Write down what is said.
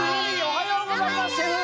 おはようございますシェフ！